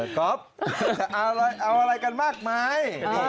ก๊อฟจะเอาอะไรกันมากมาย